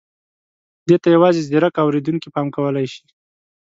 دې ته یوازې ځيرک اورېدونکي پام کولای شي.